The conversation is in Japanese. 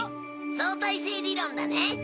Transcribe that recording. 相対性理論だね。